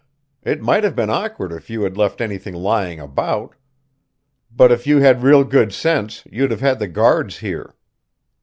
"It might have been awkward if you had left anything lying about. But if you had real good sense you'd have had the guards here.